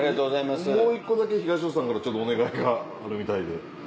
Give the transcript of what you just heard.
もう１個だけ東野さんからお願いがあるみたいで。